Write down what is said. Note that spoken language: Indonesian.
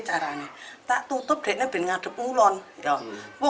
kalau ditutup itu bisa dikotak kotak